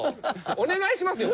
お願いしますよ